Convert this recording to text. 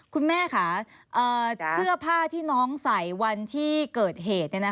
คุณแม่ค่ะเสื้อผ้าที่น้องใส่วันที่เกิดเหตุ